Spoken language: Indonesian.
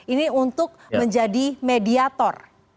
ini untuk menjadi mediator